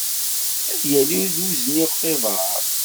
Ad yali d uzniq iḍer.